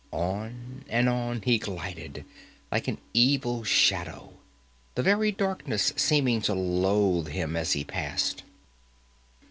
On and on he glided, like an evil shadow, the very darkness seeming to loathe him as he passed.